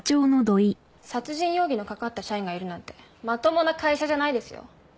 殺人容疑の掛かった社員がいるなんてまともな会社じゃないですよ。